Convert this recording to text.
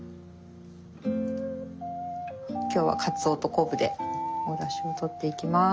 今日はかつおと昆布でおだしをとっていきます。